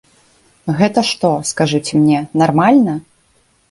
Гэта што, скажыце мне, нармальна?